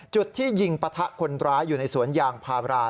จุดที่ยิงปะทะคนร้ายอยู่ในสวนยางพารา